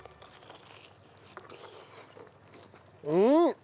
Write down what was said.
うん！